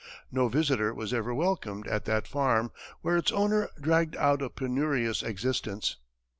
No visitor was ever welcomed at that farm, where its owner dragged out a penurious existence.